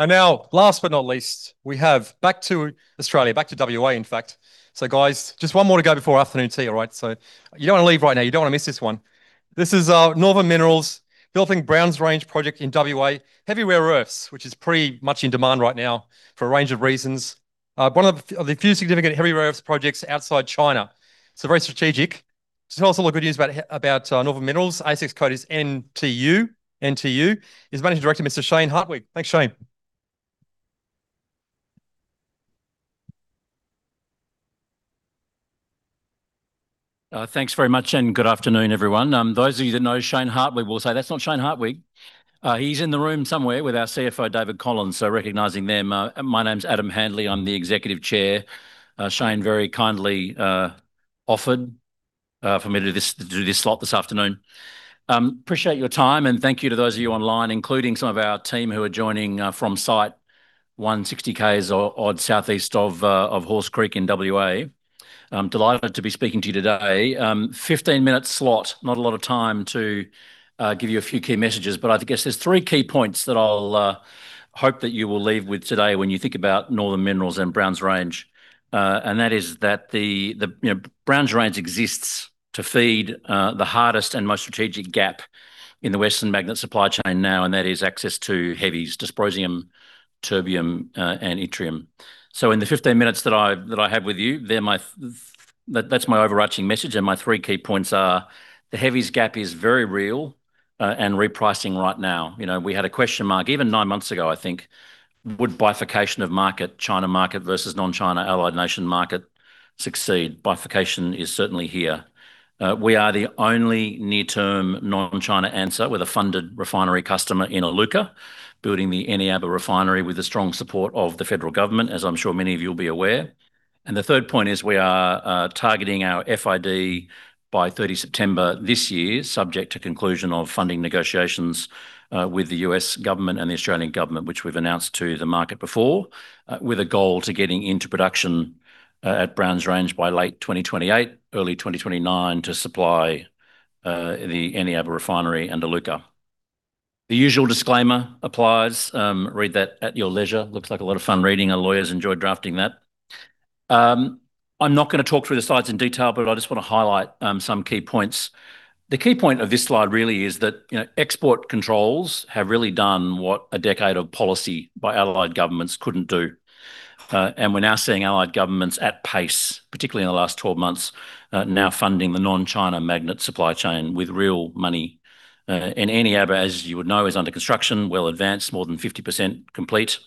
Last but not least, we have back to Australia, back to W.A., in fact. Guys, just one more to go before afternoon tea, all right? You don't want to leave right now, you don't want to miss this one. This is Northern Minerals building Browns Range project in W.A. Heavy rare earths, which is pretty much in demand right now for a range of reasons. One of the few significant heavy rare earths projects outside China, very strategic. To tell us all the good news about Northern Minerals, ASX code is NTU. NTU. Here's Managing Director, Mr. Shane Hartwig. Thanks, Shane. Thanks very much. Good afternoon, everyone. Those of you that know Shane Hartwig will say, "That's not Shane Hartwig." He's in the room somewhere with our CFO, David Collins, recognizing them. My name's Adam Handley, I'm the Executive Chair. Shane very kindly offered for me to do this slot this afternoon. Appreciate your time, and thank you to those of you online, including some of our team who are joining from site, 160 km odd southeast of Halls Creek in W.A. I'm delighted to be speaking to you today. 15-minute slot, not a lot of time to give you a few key messages. I guess there's three key points that I'll hope that you will leave with today when you think about Northern Minerals and Browns Range. That is that Browns Range exists to feed the hardest and most strategic gap in the Western magnet supply chain now, that is access to heavies, dysprosium, terbium, and yttrium. In the 15 minutes that I have with you, that's my overarching message, my three key points are, the heavies gap is very real and repricing right now. We had a question mark even nine months ago, I think. Would bifurcation of market, China market versus non-China allied nation market, succeed? Bifurcation is certainly here. We are the only near-term non-China answer with a funded refinery customer in Iluka, building the Eneabba Refinery with the strong support of the federal government, as I'm sure many of you will be aware. The third point is we are targeting our FID by 30 September this year, subject to conclusion of funding negotiations with the U.S. government and the Australian government, which we've announced to the market before, with a goal to getting into production at Browns Range by late 2028, early 2029 to supply the Eneabba Refinery and Iluka. The usual disclaimer applies. Read that at your leisure. Looks like a lot of fun reading. Our lawyers enjoyed drafting that. I just want to highlight some key points. The key point of this slide really is that export controls have really done what a decade of policy by allied governments couldn't do. We're now seeing allied governments at pace, particularly in the last 12 months, now funding the non-China magnet supply chain with real money. Eneabba, as you would know, is under construction, well advanced, more than 50% complete.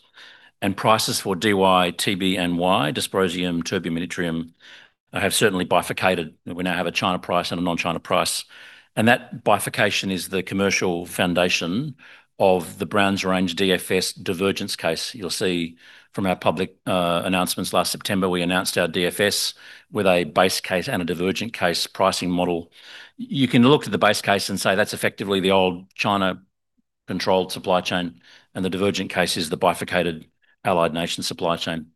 Prices for Dy, Tb, and Y, dysprosium, terbium, and yttrium, have certainly bifurcated. We now have a China price and a non-China price. That bifurcation is the commercial foundation of the Browns Range DFS divergence case. You'll see from our public announcements last September, we announced our DFS with a base case and a divergent case pricing model. You can look at the base case and say that's effectively the old China-controlled supply chain, and the divergent case is the bifurcated allied nation supply chain.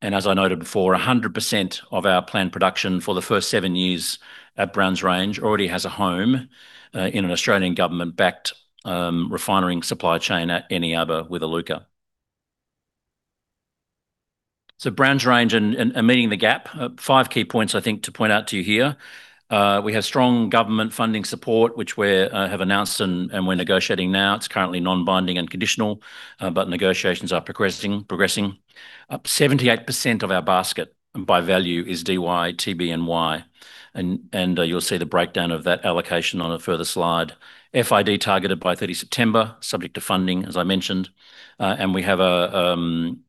As I noted before, 100% of our planned production for the first seven years at Browns Range already has a home in an Australian government-backed refinery supply chain at Eneabba with Iluka. Browns Range and meeting the gap. Five key points, I think, to point out to you here. We have strong government funding support, which we have announced and we're negotiating now. It's currently non-binding and conditional, but negotiations are progressing. 78% of our basket by value is Dy, Tb, and Y, and you'll see the breakdown of that allocation on a further slide. FID targeted by 30 September, subject to funding, as I mentioned. We have around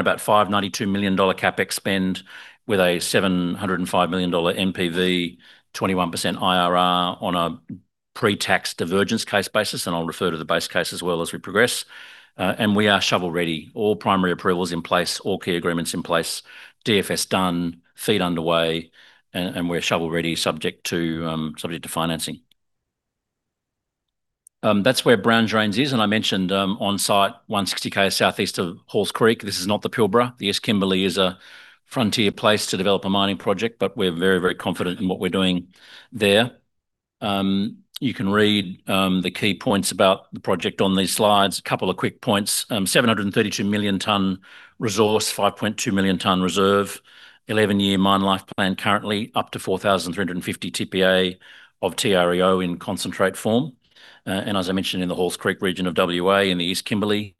about 592 million dollar CapEx with an 705 million dollar NPV, 21% IRR on a pre-tax divergence case basis, and I'll refer to the base case as well as we progress. We are shovel-ready. All primary approvals in place, all key agreements in place, DFS done, FEED underway, and we're shovel-ready subject to financing. That's where Browns Range is. I mentioned on-site 160 km southeast of Halls Creek. This is not the Pilbara. The East Kimberley is a frontier place to develop a mining project, but we're very confident in what we're doing there. You can read the key points about the project on these slides. A couple of quick points. 732 million ton resource, 5.2 million tons reserve, 11-year mine life plan currently, up to 4,350 TPA of TREO in concentrate form. As I mentioned in the Halls Creek region of W.A. in the East Kimberley,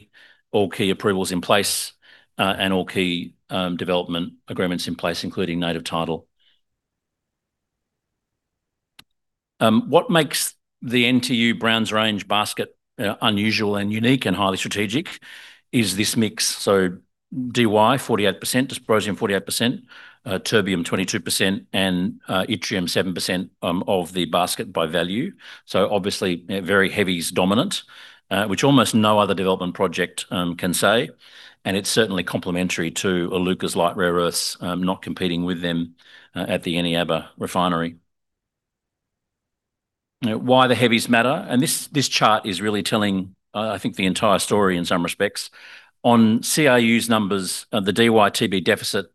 all key approvals in place and all key development agreements in place, including Native Title. What makes the NTU Browns Range basket unusual and unique and highly strategic is this mix. Dy, 48%, dysprosium 48%, terbium 22%, and yttrium 7% of the basket by value. Obviously, very heavies dominant, which almost no other development project can say. It's certainly complementary to Iluka's light rare earths, not competing with them at the Eneabba Refinery. Why the heavies matter, and this chart is really telling, I think, the entire story in some respects. On CRU's numbers, the Dy-Tb deficit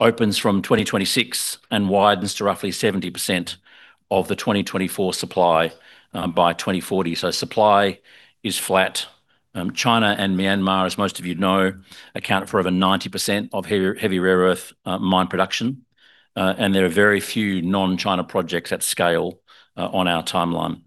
opens from 2026 and widens to roughly 70% of the 2024 supply by 2040. Supply is flat. China and Myanmar, as most of you know, account for over 90% of heavy rare earth mine production. There are very few non-China projects at scale on our timeline.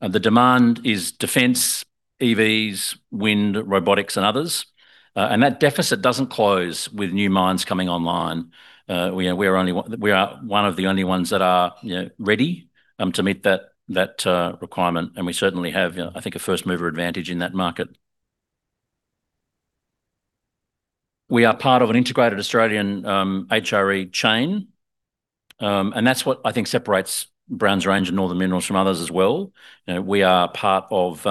The demand is defense, EVs, wind, robotics, and others. That deficit doesn't close with new mines coming online. We are one of the only ones that are ready to meet that requirement, and we certainly have, I think, a first-mover advantage in that market. We are part of an integrated Australian HRE chain. And that's what I think separates Browns Range and Northern Minerals from others as well. We are part of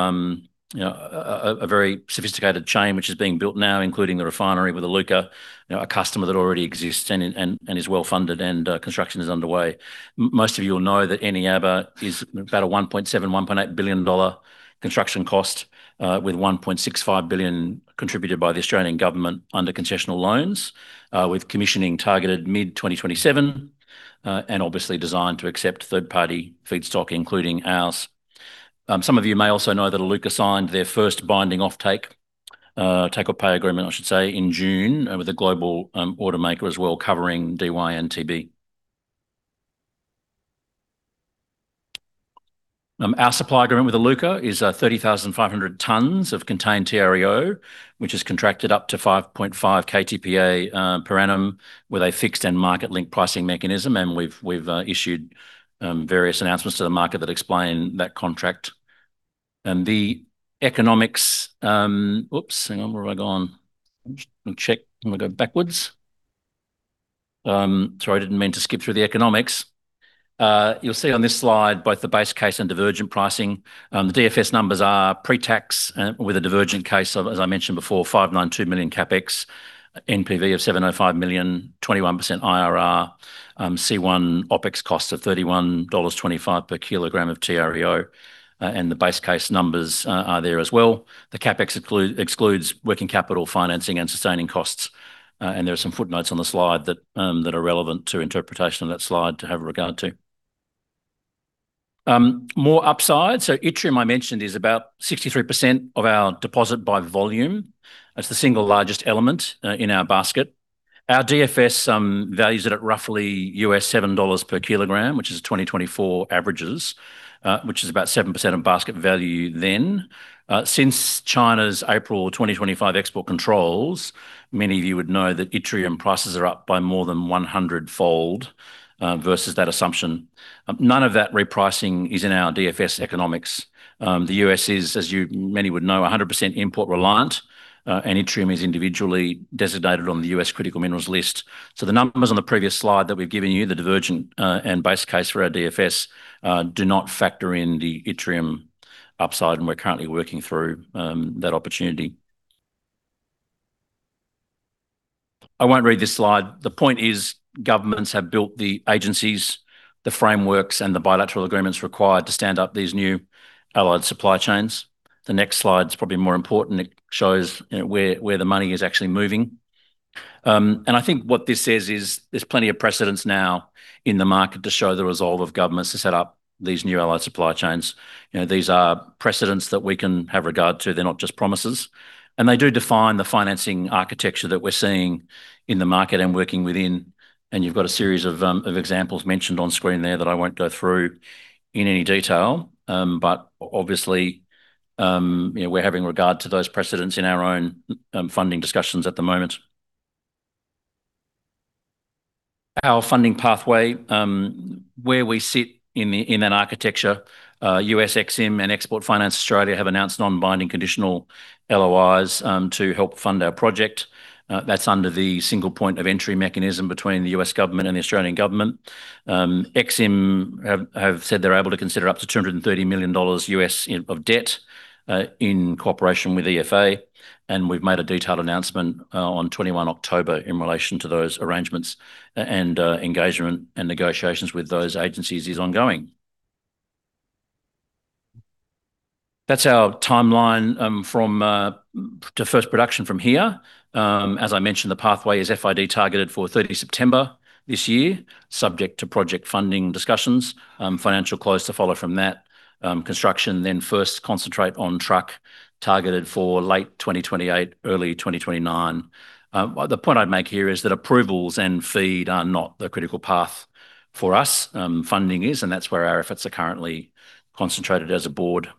a very sophisticated chain which is being built now, including the refinery with Iluka, a customer that already exists and is well-funded and construction is underway. Most of you will know that Eneabba is about an 1.7 billion-1.8 billion dollar construction cost, with 1.65 billion contributed by the Australian government under concessional loans. With commissioning targeted mid-2027, and obviously designed to accept third-party feedstock, including ours. Some of you may also know that Iluka signed their first binding offtake, take-or-pay agreement, I should say, in June with a global automaker as well, covering Dy and Tb. Our supply agreement with Iluka is 30,500 tonnes of contained TREO, which is contracted up to 5.5 ktpa per annum with a fixed and market-linked pricing mechanism. We've issued various announcements to the market that explain that contract. The economics Oops. Hang on. Where have I gone? I'm just going to check. I'm going to go backwards. Sorry, didn't mean to skip through the economics. You'll see on this slide both the base case and divergent pricing. The DFS numbers are pre-tax, with a divergent case of, as I mentioned before, 592 million CapEx, NPV of 705 million, 21% IRR. C1 OpEx costs are 31.25 per kilogram of TREO, and the base case numbers are there as well. The CapEx excludes working capital financing and sustaining costs. There are some footnotes on the slide that are relevant to interpretation of that slide to have regard to. More upside. Yttrium, I mentioned, is about 63% of our deposit by volume. It's the single largest element in our basket. Our DFS values it at roughly $7 per kilogram, which is 2024 averages, which is about 7% of basket value then. Since China's April 2025 export controls, many of you would know that yttrium prices are up by more than 100-fold versus that assumption. None of that repricing is in our DFS economics. The U.S. is, as many of you would know, 100% import reliant, and yttrium is individually designated on the U.S. Critical Minerals List. So the numbers on the previous slide that we've given you, the divergent and base case for our DFS, do not factor in the yttrium upside, and we're currently working through that opportunity. I won't read this slide. The point is, governments have built the agencies, the frameworks, and the bilateral agreements required to stand up these new allied supply chains. The next slide's probably more important. It shows where the money is actually moving. I think what this says is there's plenty of precedents now in the market to show the resolve of governments to set up these new allied supply chains. These are precedents that we can have regard to. They're not just promises. They do define the financing architecture that we're seeing in the market and working within, and you've got a series of examples mentioned on screen there that I won't go through in any detail. Obviously, we're having regard to those precedents in our own funding discussions at the moment. Our funding pathway, where we sit in an architecture. U.S. EXIM and Export Finance Australia have announced non-binding conditional LOIs to help fund our project. That's under the single point of entry mechanism between the U.S. government and the Australian government. EXIM have said they're able to consider up to $230 million of debt in cooperation with EFA. We've made a detailed announcement on 21 October in relation to those arrangements, and engagement and negotiations with those agencies is ongoing. That's our timeline to first production from here. As I mentioned, the pathway is FID targeted for 30 September this year, subject to project funding discussions. Financial close to follow from that. Construction, then first concentrate on truck targeted for late 2028, early 2029. The point I'd make here is that approvals and FEED are not the critical path for us. Funding is, and that's where our efforts are currently concentrated as a board.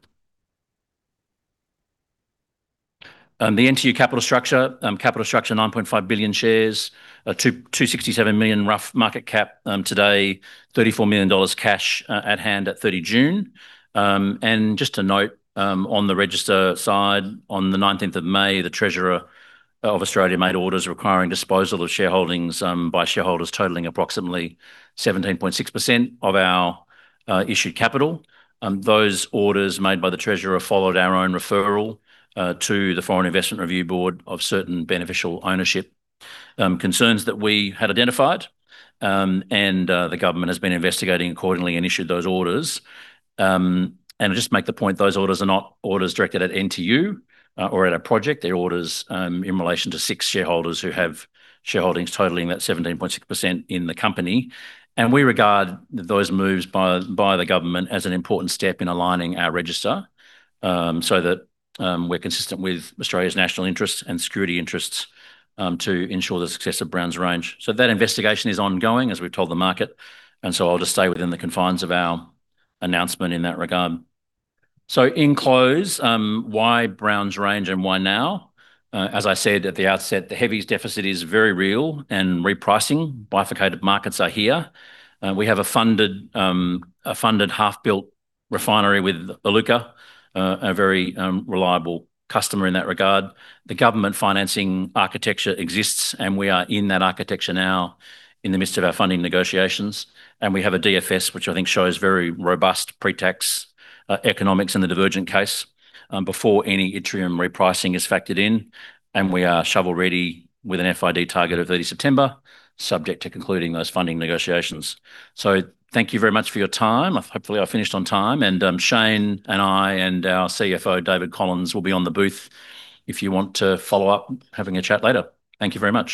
The NTU capital structure. Capital structure 9.5 billion shares. 267 million rough market cap today. 34 million dollars cash at hand at 30 June. Just to note, on the register side, on the 19th of May, the Treasurer of Australia made orders requiring disposal of shareholdings by shareholders totaling approximately 17.6% of our issued capital. Those orders made by the Treasurer followed our own referral to the Foreign Investment Review Board of certain beneficial ownership concerns that we had identified. The government has been investigating accordingly and issued those orders. I'll just make the point, those orders are not orders directed at NTU or at our project. They're orders in relation to six shareholders who have shareholdings totaling that 17.6% in the company. We regard those moves by the government as an important step in aligning our register, so that we're consistent with Australia's national interests and security interests to ensure the success of Browns Range. That investigation is ongoing, as we've told the market. I'll just stay within the confines of our announcement in that regard. In close, why Browns Range and why now? As I said at the outset, the heavies deficit is very real and repricing bifurcated markets are here. We have a funded half-built refinery with Iluka, a very reliable customer in that regard. The government financing architecture exists, and we are in that architecture now in the midst of our funding negotiations. We have a DFS, which I think shows very robust pre-tax economics in the divergent case before any yttrium repricing is factored in. We are shovel-ready with an FID target of 30 September, subject to concluding those funding negotiations. Thank you very much for your time. Hopefully, I finished on time. Shane and I and our CFO, David Collins, will be on the booth if you want to follow up having a chat later. Thank you very much.